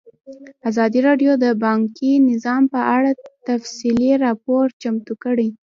ازادي راډیو د بانکي نظام په اړه تفصیلي راپور چمتو کړی.